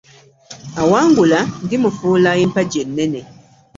Awangula ndimufuula empagi ennene.